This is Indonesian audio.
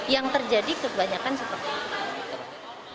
yang terjadi kebanyakan seperti itu